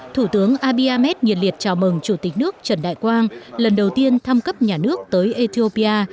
thủ tướng abi amet nhiệt liệt chào mừng chủ tịch nước trần đại quang lần đầu tiên thăm cấp nhà nước tới ethiopia